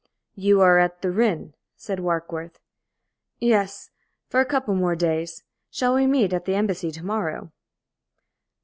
"You are at the 'Rhin'?" said Warkworth. "Yes, for a couple more days. Shall we meet at the Embassy to morrow?"